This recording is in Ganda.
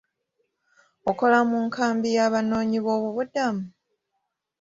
Okola mu nkambi y'Abanoonyiboobubudamu?